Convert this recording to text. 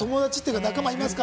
仲間いますか？